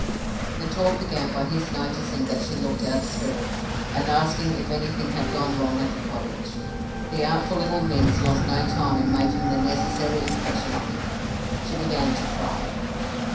"The talk began by his noticing that she looked out of spirits, and asking if anything had gone wrong at the cottage. The artful little minx lost no time in making the necessary impression on him; she began to cry.